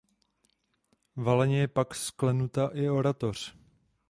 Valeně je pak sklenuta i oratoř.